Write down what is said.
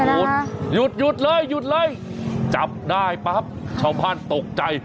แล้วนะฮะหยุดหยุดเลยหยุดเลยจับได้ปั๊บส่องอ้านตกใจ